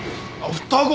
双子？